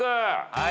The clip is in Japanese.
はい。